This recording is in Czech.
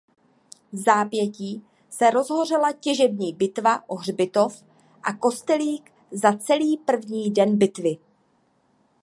Vzápětí se rozhořela nejtěžší bitva o hřbitov a kostelík za celý první den bitvy.